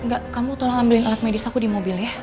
enggak kamu tolong ambilin alat medis aku di mobil ya